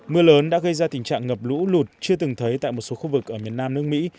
mưa lớn đã gây ra tình trạng ngập lũ lụt chưa từng thấy tại một số khu vực ở miền nam nước mỹ